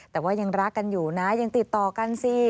แต่ว่ายังรักกันอยู่นะยังติดต่อกันสิ